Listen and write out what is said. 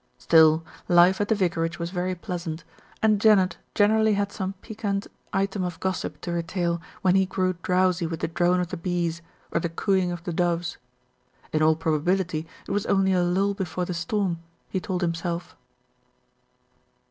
Still, life at the vicarage was very pleasant, and Janet generally had some piquant item of gossip to re tail when he grew drowsy with the drone of the bees, or the cooing of the doves. In all probability it was only a lull before the storm, he told himself.